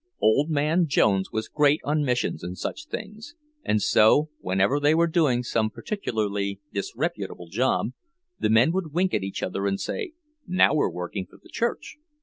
Old man Jones was great on missions and such things, and so whenever they were doing some particularly disreputable job, the men would wink at each other and say, "Now we're working for the church!"